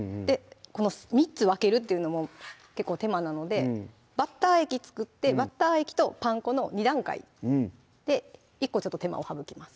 この３つ分けるっていうのも結構手間なのでバッター液作ってバッター液とパン粉の２段階で１個ちょっと手間を省きます